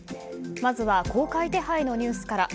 まずは公開手配のニュースから。